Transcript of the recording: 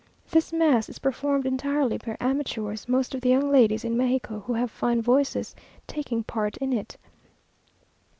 This mass is performed entirely by amateurs, most of the young ladies in Mexico, who have fine voices, taking a part in it.